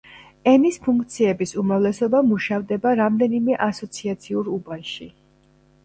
ენის ფუნქციების უმრავლესობა მუშავდება რამდენიმე ასოციაციურ უბანში.